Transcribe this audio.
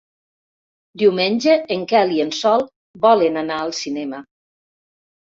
Diumenge en Quel i en Sol volen anar al cinema.